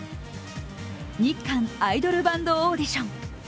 日韓アイドルバンドオーディション。